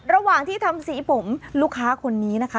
ระหว่างที่ทำสีผมลูกค้าคนนี้นะคะ